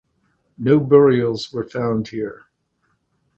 No burials were found here.